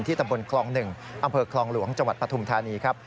ตำบลคลอง๑อำเภอคลองหลวงจังหวัดปฐุมธานีครับ